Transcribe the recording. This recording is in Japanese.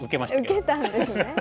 受けたんですね。